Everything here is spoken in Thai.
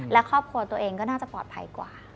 และครอบครัวตัวเองก็น่าจะปลอดภัยกว่า